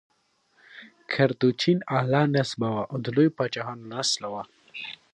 کردوچین اعلی نسبه وه او د لویو پاچاهانو له نسله وه.